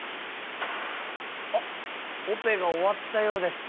あっオペが終わったようです。